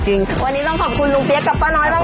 วันนี้ต้องขอบคุณลูกเบี๊ยกับป้าน้อยมากเลยนะคะ